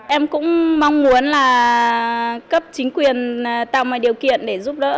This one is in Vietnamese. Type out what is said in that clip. em cũng mong muốn là cấp chính quyền tạo mọi điều kiện để giúp đỡ